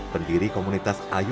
pendiri komunitas ayodongga